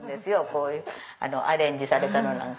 こういうアレンジされたのなんか。